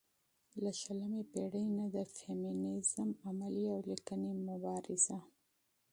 له شلمې پېړۍ نه د فيمينزم عملي او ليکنۍ مبارزه